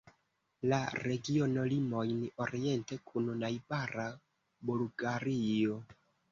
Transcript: La regiono limojn oriente kun najbara Bulgario.